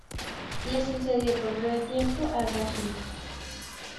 Le sucedió, por breve tiempo, Al-Rashid.